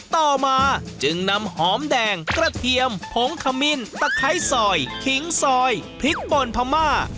ต่อมาจึงนำหอมแดงกระเทียมผงขมิ้นตะไคร้ซอยขิงซอยพริกป่นพม่า